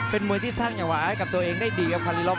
เป็นมวยที่สร้างอย่างหวายกับตัวเองได้ดีครับคาริรอฟ